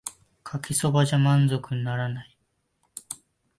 かけそばじゃ満腹にならない